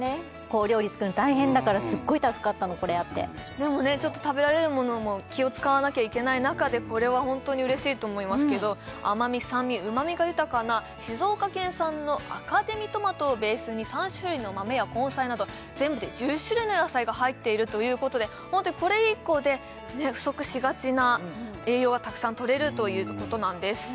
お料理作るの大変だからすっごい助かったのこれあってでもね食べられるものも気を使わなきゃいけない中でこれはホントに嬉しいと思いますけど甘み酸味うまみが豊かな静岡県産のあかでみトマトをベースに３種類の豆や根菜など全部で１０種類の野菜が入っているということでホントにこれ１個で不足しがちな栄養がたくさんとれるということなんです